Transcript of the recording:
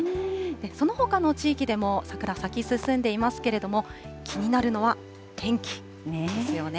そのほかの地域でも、桜、先進んでいますけれども、気になるのは天気ですよね。